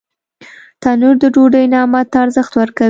تنور د ډوډۍ نعمت ته ارزښت ورکوي